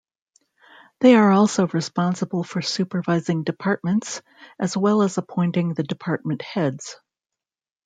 They are also responsible for supervising departments, as well as appointing the department heads.